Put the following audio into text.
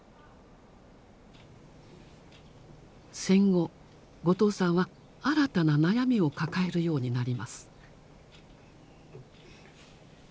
戦後後藤さんは新たな悩みを抱えるようになります。